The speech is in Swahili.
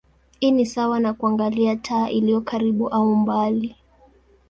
Hii ni sawa na kuangalia taa iliyo karibu au mbali.